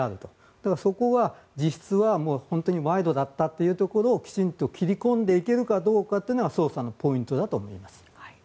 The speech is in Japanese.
ただ、そこは実質は本当に賄賂だったというところをきちんと切り込んでいけるかどうかというのが捜査のポイントだと思います。